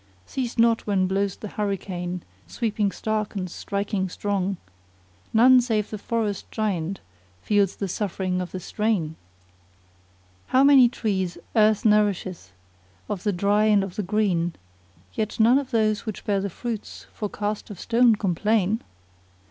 See'st not when blows the hurricane, sweeping stark and striking strong * None save the forest giant feels the suffering of the strain? How many trees earth nourisheth of the dry and of the green * Yet none but those which bear the fruits for cast of stone complain.